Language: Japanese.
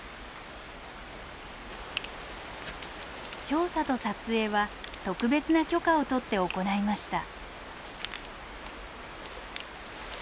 調査と撮影は特別な許可を取って行いました。